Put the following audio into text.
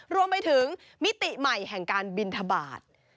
รวมไปถึงมิติใหม่แห่งการบินทบาท